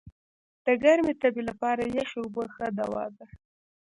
د ګرمي تبي لپاره یخي اوبه ښه دوا ده.